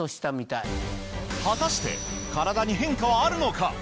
果たして体に変化はあるのか？